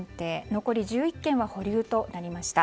残り１１件は保留となりました。